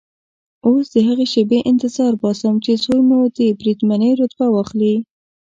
اوس د هغې شېبې انتظار باسم چې زوی مو د بریدمنۍ رتبه واخلي.